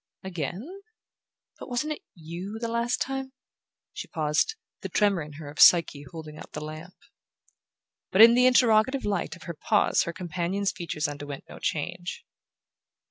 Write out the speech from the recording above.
"'Again'? But wasn't it YOU, the last time ?" She paused, the tremor in her of Psyche holding up the lamp. But in the interrogative light of her pause her companion's features underwent no change.